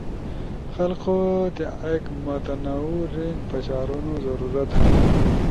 خلقو تا ایک متنوع رینج پشارونو ضرورت ہنی،